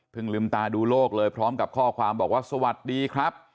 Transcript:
ลืมตาดูโลกเลยพร้อมกับข้อความบอกว่าสวัสดีครับ